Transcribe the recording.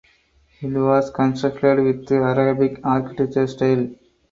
It was constructed with Arabic architecture style.